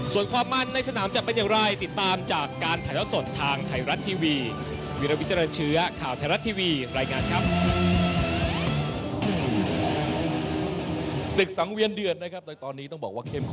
ไทรัตทีวีไฟท์ทีม